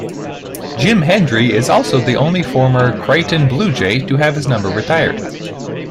Jim Hendry is also the only former Creighton Bluejay to have his number retired.